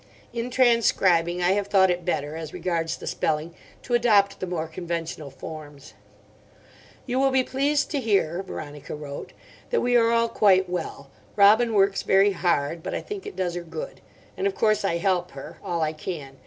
In transcribing I have thought it better, as regards the spelling, to adopt the more conventional forms. "You will be pleased to hear," Veronica wrote, "that we are all quite well. Robin works very hard. But I think it does her good. And of course I help her. All I can.